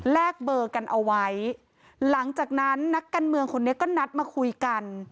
เบอร์กันเอาไว้หลังจากนั้นนักการเมืองคนนี้ก็นัดมาคุยกัน